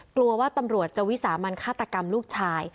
กลัวว่าตำรวจจะวิสามันฆาตกรรมลูกชาย